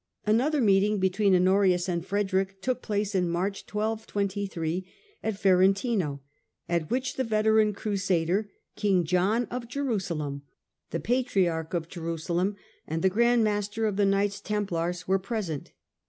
Another meeting between Honorius and Frederick took place in March, 1223, at Ferentino, at which the veteran Crusader, King John of Jerusalem, the Patriarch of Jerusalem and the Grand Master of the Knights Tem plars were present.